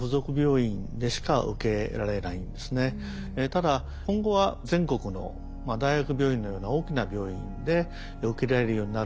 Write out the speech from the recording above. ただ今後は全国の大学病院のような大きな病院で受けられるようになる。